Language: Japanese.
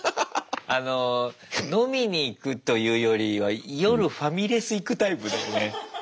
あの飲みに行くというよりは夜ファミレス行くタイプだよね。